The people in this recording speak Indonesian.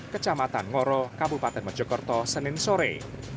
kecamatan ngoro kabupaten mojokerto senin sore